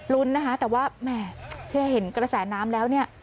รุ้นนะคะแต่ว่าแหมเธอเห็นกระแสน้ำแล้วเนี่ย